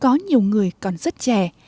và nhiều người còn rất là trẻ